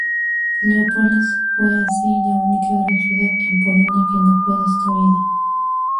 Leópolis fue así la única gran ciudad en Polonia que no fue destruida.